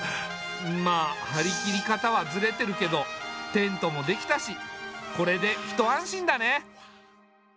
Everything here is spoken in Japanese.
まあ張り切り方はずれてるけどテントもできたしこれで一安心だね。